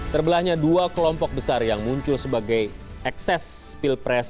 terbelahnya dua kelompok besar yang muncul sebagai ekses pilpres dua ribu empat belas